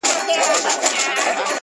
دا پاته عمر ملنګي کوومه ښه کوومه,